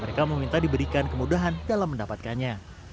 mereka meminta diberikan kemudahan dalam mendapatkannya